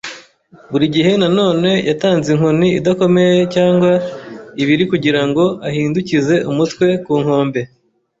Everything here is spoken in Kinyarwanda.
burigihe na none yatanze inkoni idakomeye cyangwa ibiri kugirango ahindukize umutwe ku nkombe.